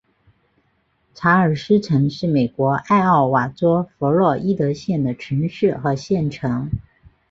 查尔斯城是美国艾奥瓦州弗洛伊德县的城市和县城。